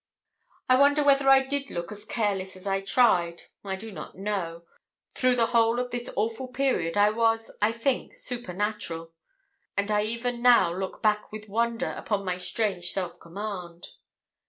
I wonder whether I did look as careless as I tried. I do not know. Through the whole of this awful period I was, I think, supernatural; and I even now look back with wonder upon my strange self command.